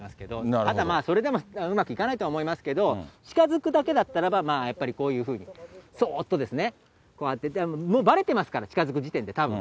ただまあ、それでもうまくいかないとは思いますけど、近づくだけだったら、やっぱりこういうふうに、そっとですね、こうやって、もうばれてますから、近づく時点でたぶん。